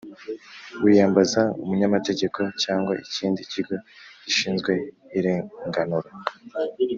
wi yambaza umunyamategeko cyangwa ikindi kigo gishinzwe irenganura.